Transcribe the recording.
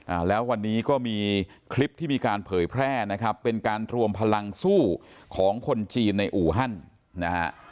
อ่าแล้ววันนี้ก็มีคลิปที่มีการเผยแพร่นะครับเป็นการรวมพลังสู้ของคนจีนในอูฮันนะฮะ